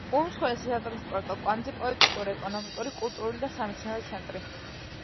უმსხვილესი სატრანსპორტო კვანძი, პოლიტიკური, ეკონომიკური, კულტურული და სამეცნიერო ცენტრი.